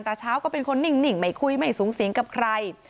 ตาเช้าก็เป็นคนนิ่งไม่คุยไม่สูงสิงกับใคร